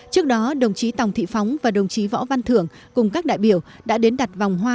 trước đó đồng chí tòng thị phóng và đồng chí võ văn thưởng cùng các đại biểu đã đến đặt vòng hoa